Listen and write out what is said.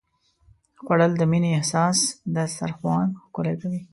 خوړل د مینې دسترخوان ښکلوي